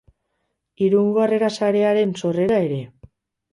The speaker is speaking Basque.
Irungo Harrera Sarearen sorrera ere.